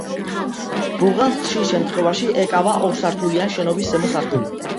ბეღელს ხშირ შემთხვევაში ეკავა ორსართულიანი შენობის ზემო სართული.